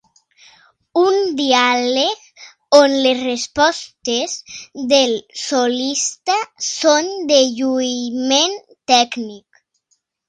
Un diàleg on les respostes del solista són de lluïment tècnic.